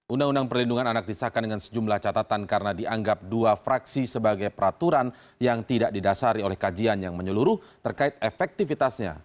undang undang perlindungan anak disahkan dengan sejumlah catatan karena dianggap dua fraksi sebagai peraturan yang tidak didasari oleh kajian yang menyeluruh terkait efektivitasnya